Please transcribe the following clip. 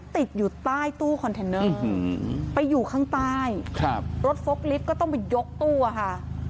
ติดอยู่ใต้ตู้คอนเทนเนอร์ไปอยู่ข้างใต้ครับรถฟกลิฟต์ก็ต้องไปยกตู้อะค่ะ